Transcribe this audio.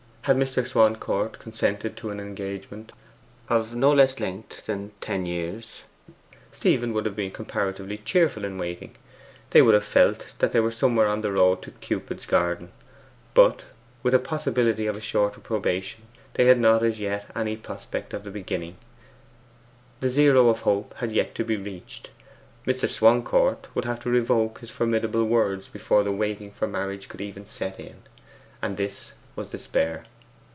Had Mr. Swancourt consented to an engagement of no less length than ten years, Stephen would have been comparatively cheerful in waiting; they would have felt that they were somewhere on the road to Cupid's garden. But, with a possibility of a shorter probation, they had not as yet any prospect of the beginning; the zero of hope had yet to be reached. Mr. Swancourt would have to revoke his formidable words before the waiting for marriage could even set in. And this was despair.